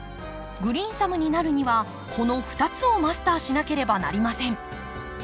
グリーンサムになるにはこの２つをマスターしなければなりません。